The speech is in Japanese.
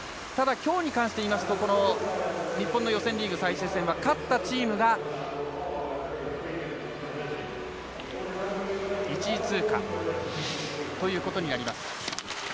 ただ、きょうに関していいますと日本の予選リーグ最終戦は勝ったチームが１位通過ということになります。